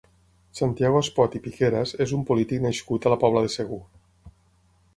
Santiago Espot i Piqueras és un polític nascut a la Pobla de Segur.